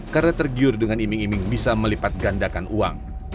karena tergiur dengan iming iming bisa melipat gandakan uang